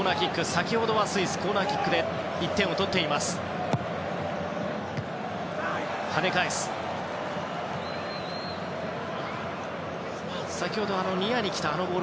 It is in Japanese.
先ほどコーナーキックで１点を取っていますスイス。